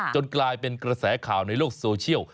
กลายเป็นกระแสข่าวในโลกโซเชียล